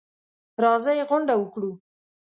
راځئ غونډه وکړو.